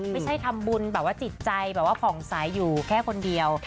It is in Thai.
ไม่ใช่ทำบุญแบบว่าจิตใจแบบว่าผ่องสายอยู่แค่คนเดียว